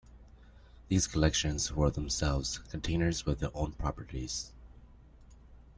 These collections were themselves containers with their own properties.